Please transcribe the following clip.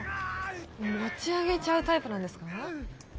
持ち上げちゃうタイプなんですか？